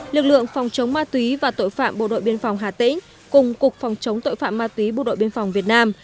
lực lượng phòng chống ma túy và tội phạm bộ đội biên phòng hà tĩnh cùng cục phòng chống tội phạm ma túy bộ đội biên phòng việt nam